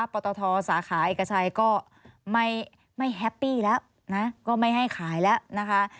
ปตทสาขาเอกชัยก็ไม่แฮปปี้แล้วก็ไม่ให้ขายแล้วนะคะ